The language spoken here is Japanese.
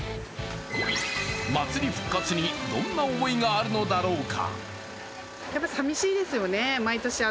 祭り復活にどんな思いがあるのだろうか。